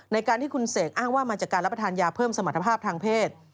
ในการที่คุณเสกอ้างว่ามาจากการรับประทานยาเพิ่มสมรรถภาพทางเพศ